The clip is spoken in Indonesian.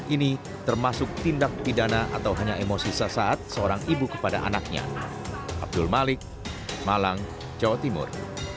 ini termasuk tindak pidana atau hanya emosi sesaat seorang ibu kepada anaknya abdul malik malang jawa timur